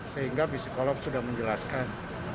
sehingga psikolog sudah menjelaskan